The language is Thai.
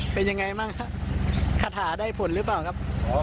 เป็นยังไงบ้างครับคาถาได้ผลหรือเปล่าครับ